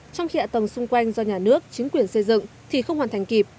trong khi hạ tầng xung quanh do nhà nước chính quyền xây dựng thì không hoàn thành kịp